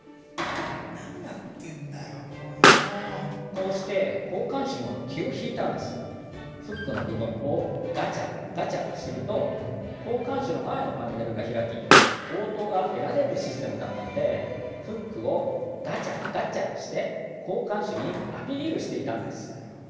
こうしてフックの部分をガチャ・ガチャすると交換手の前のパネルが開き応答が得られるシステムだったのでフックをガチャ・ガチャして交換手にアピールしていたんです。